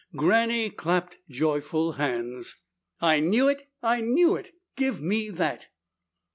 Granny clapped joyful hands. "I knew it! I knew it! Give me that."